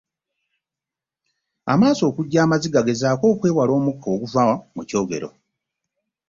Amaaso okujja amaziga gezaako okwewala omukka oguva mu kyokero.